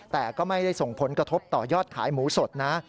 แต่ก็ไม่ได้ส่งผลกระทบต่อยอดขายหมูสดนะ